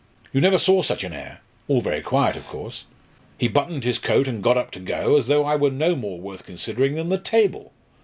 You never saw such an air! all very quiet, of course. He buttoned his coat and got up to go, as though I were no more worth considering than the table.